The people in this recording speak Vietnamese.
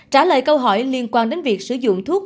trả lời câu hỏi liên quan đến việc sử dụng thuốc